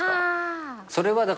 それはだから。